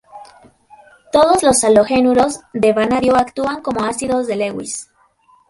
Todos los halogenuros de vanadio actúan como ácidos de Lewis.